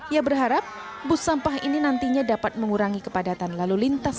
ia berharap bus sampah ini nantinya dapat mengurangi kepadatan lalu lintas